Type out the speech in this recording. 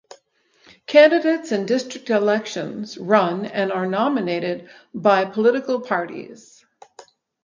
Candidates in district elections run and are nominated by political parties.